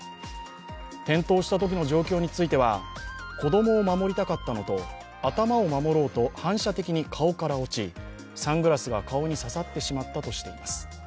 転倒したときの状況については、子供を守りたかったのと、頭を守ろうと反射的に顔から落ち、サングラスが顔に刺さってしまったとしています。